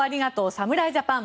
侍ジャパン。